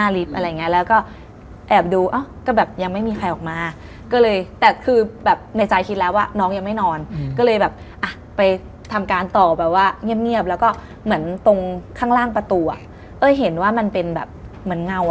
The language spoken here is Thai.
ระหว่างนี่เชียงใหม่นี่ลำปาง